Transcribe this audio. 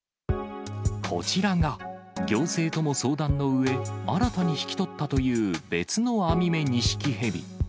こちらが、行政とも相談のうえ、新たに引き取ったという別のアミメニシキヘビ。